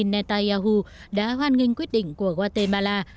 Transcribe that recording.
thủ tướng israel benjamin netanyahu đã hoan nghênh quyết định của guatemala